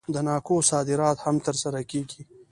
د ناکو صادرات هم ترسره کیږي.